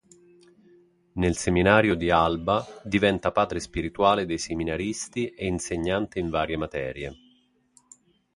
Nel Seminario di Alba diventa padre spirituale dei seminaristi e insegnante in varie materie.